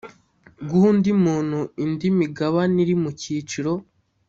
guha undi muntu indi migabane iri mu cyiciro